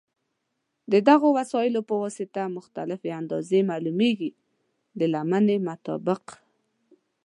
د دغو وسایلو په واسطه مختلفې اندازې معلومېږي د لمنې مطابق.